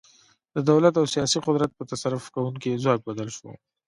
د دولت او سیاسي قدرت په تصرف کوونکي ځواک بدل شو.